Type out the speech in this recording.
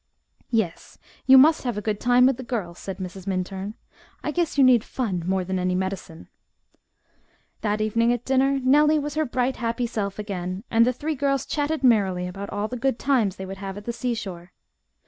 "Yes, you must have a good time with the girls," said Mrs. Minturn. "I guess you need fun more than any medicine." That evening at dinner Nellie was her bright happy self again, and the three girls chatted merrily about all the good times they would have at the seashore.